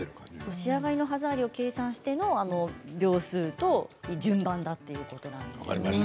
それぐらいの歯触りを計算しての秒数と順番ということなんですね。